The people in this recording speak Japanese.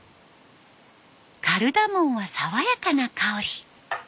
カルダモンは爽やかな香り。